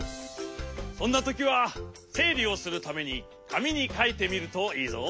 そんなときはせいりをするためにかみにかいてみるといいぞ。